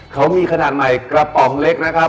เขามีขนาดใหม่กระป๋องเล็กนะครับ